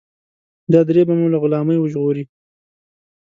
دا درې به مو له غلامۍ وژغوري.